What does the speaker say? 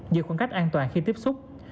giữ khoảng cách an toàn khi tiếp xúc